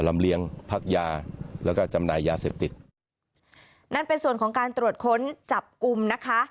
ลำเลียงพักยาแล้วก็จำหน่ายยาเสพติดนั่นเป็นส่วนของการตรวจค้นจับกลุ่มนะคะ